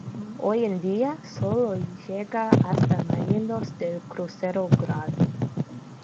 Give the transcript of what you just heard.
Hoy en día solo llega hasta Marinos del Crucero Gral.